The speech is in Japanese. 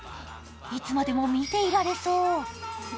いつまでも見ていられそう。